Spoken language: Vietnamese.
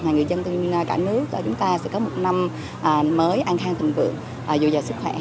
người dân cả nước chúng ta sẽ có một năm mới an khang thịnh vượng và vui vẻ sức khỏe